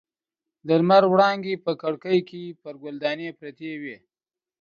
د لمر وړانګې په کړکۍ کې پر ګل دانۍ پرتې وې.